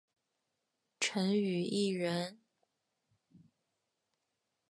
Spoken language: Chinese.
陈与义人。